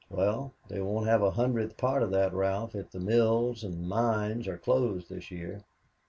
"Well, they won't have a hundredth part of that, Ralph, if the mills and mines are closed this year.